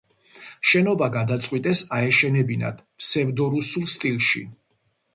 შენობა გადაწყვიტეს აეშენებინათ ფსევდორუსულ სტილში.